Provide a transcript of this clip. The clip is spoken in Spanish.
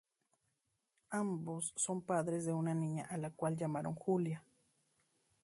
Ambos son padres de una niña a la cual llamaron Julia.